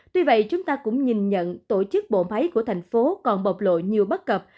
tuy vậy chúng ta cũng nhìn nhận tổ chức bộ máy của thành phố còn bộc lộ nhiều bất cập